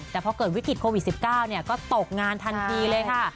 แต่พอเกิดวิกฤตโควิด๑๙ก็ตกงานทันทีเลยค่ะ